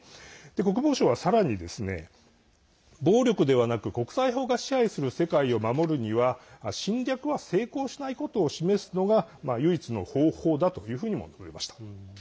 国防相はさらに暴力ではなく国際法が支配する世界を守るには侵略は成功しないことを示すのが唯一の方法だとしました。